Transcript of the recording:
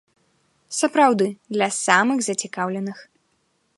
Сапраўды, для самых зацікаўленых.